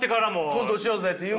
コントしようぜって。